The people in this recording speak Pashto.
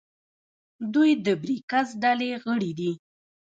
دوی د بریکس ډلې غړي دي.